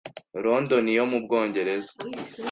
London yo mu Bwongereza